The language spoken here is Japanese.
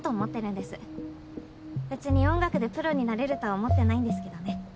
別に音楽でプロになれるとは思ってないんですけどね。